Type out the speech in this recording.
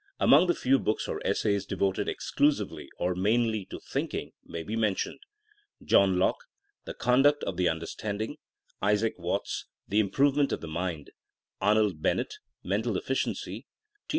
Among the few books or essays devoted exclusively or mainly to thinking may be mentioned: — John Locke, The Conduct of the Understanding; Isaac Watts, The Improvement of the Mind; Arnold Bennett, Mental Efficiency; T.